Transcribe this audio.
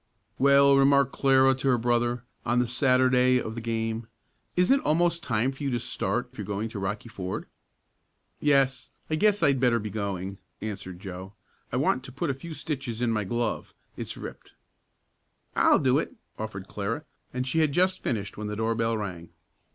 "Well," remarked Clara to her brother, on the Saturday of the game, "isn't it almost time for you to start if you're going to Rocky Ford?" "Yes, I guess I had better be going," answered Joe. "I want to put a few stitches in my glove. It's ripped." "I'll do it," offered Clara and she had just finished when the door bell rang.